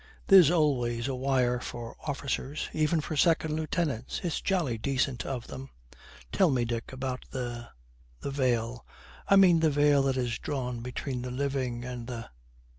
'There's always a wire for officers, even for 2nd Lieutenants. It's jolly decent of them.' 'Tell me, Dick, about the the veil. I mean the veil that is drawn between the living and the